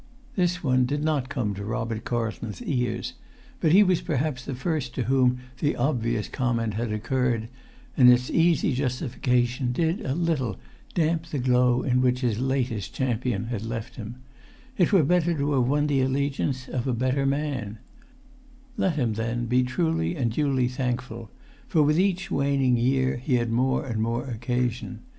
This one did not come to Robert Carlton's ears, but he was perhaps the first to whom the obvious comment had occurred, and its easy justification did a little damp the glow in which his latest champion had left him. It were better to have won the allegiance of a better man. Yet who was he to judge his fellows? He had forfeited the right to criticise another. Let him then be truly and duly thankful; for with each waning year he had more and more occasion.